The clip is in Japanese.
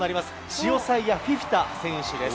シオサイア・フィフィタ選手です。